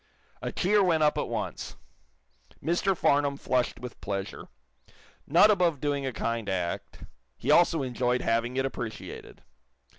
'" A cheer went up at once. Mr. Farnum flushed with pleasure. Not above doing a kind act, he also enjoyed having it appreciated.